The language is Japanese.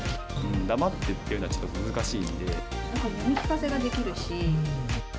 黙ってっていうのは、ちょっ読み聞かせができるし。